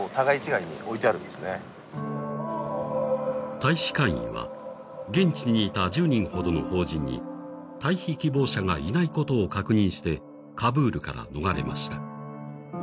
大使館員は現地にいた１０人ほどの邦人に退避希望者がいないことを確認してカブールから逃れました。